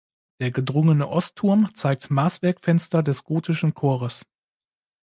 Der gedrungene Ostturm zeigt Maßwerkfenster des gotischen Chores.